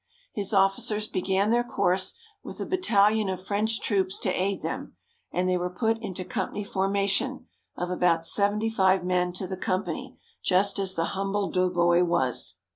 His officers began their course with a battalion of French troops to aid them, and they were put into company formation, of about 75 men to the company, just as the humble doughboy was.